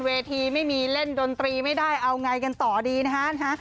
เวทีไม่มีเล่นดนตรีไม่ได้เอาไงกันต่อดีนะฮะ